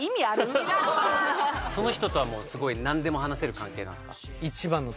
その人とはすごいなんでも話せる関係なんですか？